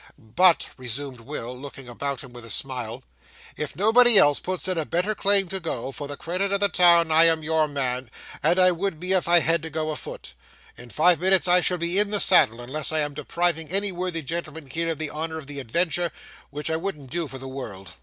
'But,' resumed Will, looking about him with a smile, 'if nobody else puts in a better claim to go, for the credit of the town I am your man, and I would be, if I had to go afoot. In five minutes I shall be in the saddle, unless I am depriving any worthy gentleman here of the honour of the adventure, which I wouldn't do for the world.